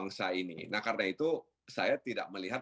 nah karena itu saya tidak melihat